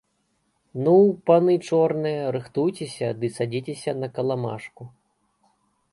Ну, паны чорныя, рыхтуйцеся ды садзіцеся на каламажку.